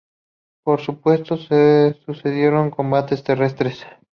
Por supuesto se sucedieron combates terrestres.